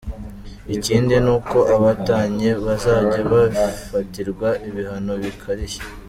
Ikindi ni uko abatannye bazajya bafatirwa ibihano bikarishye.